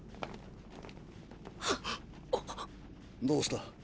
どうした？